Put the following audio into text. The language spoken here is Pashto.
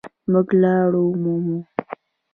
مونږ لاره مومو